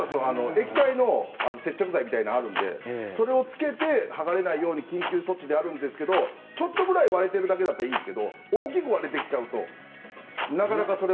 液体の接着剤みたいのがあるのでそれをつけて剥がれないように緊急措置であるんですがちょっとぐらい割れているだけだったらいいんですけど大きく割れてきちゃうとなかなかそれも。